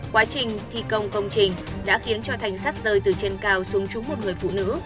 quá trình thi công công trình đã khiến cho thanh sắt rơi từ trên cao xuống trúng một người phụ nữ